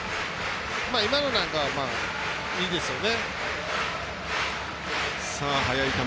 今のなんかは、いいですよね。